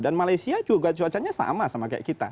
dan malaysia juga cuacanya sama sama kayak kita